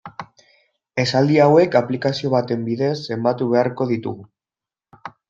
Esaldi hauek aplikazio baten bidez zenbatu beharko ditugu.